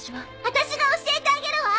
私が教えてあげるわ！